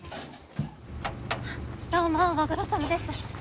あっどうもご苦労さまです。